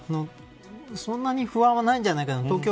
そんなに不安はないんじゃないかなと。